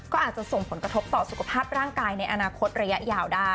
ก็อาจจะส่งผลกระทบต่อสุขภาพร่างกายในอนาคตระยะยาวได้